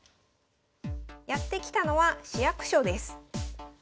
やって来たのは市役所です。